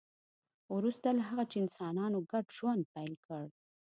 وروسته له هغه چې انسانانو ګډ ژوند پیل کړ